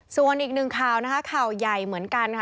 ส่วนอีกหนึ่งข่าวนะคะข่าวใหญ่เหมือนกันค่ะ